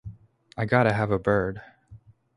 I gotta have a bird!